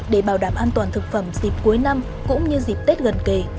để bảo đảm an toàn thực phẩm dịp cuối năm cũng như dịp tết gần kề